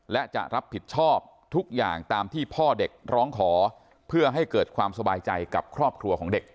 และจะรับผิดชอบทุกอย่างตามที่พ่อเด็กร้องขอเพื่อให้เกิดความสบายใจกับครอบครัวของเด็ก